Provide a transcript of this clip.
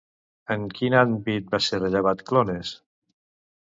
En quin àmbit va ser rellevant Clones?